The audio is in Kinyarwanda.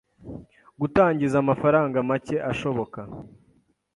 gutangiza amafaranga macye ashoboka,